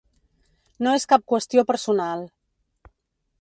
No és cap qüestió personal.